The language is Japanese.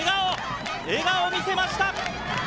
笑顔を見せました！